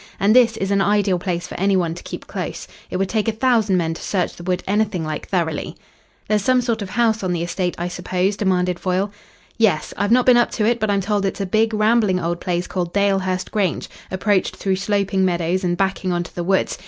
And this is an ideal place for any one to keep close. It would take a thousand men to search the wood anything like thoroughly." "There's some sort of house on the estate, I suppose?" demanded Foyle. "Yes, I've not been up to it, but I'm told it's a big, rambling old place called Dalehurst Grange, approached through sloping meadows and backing on to the woods.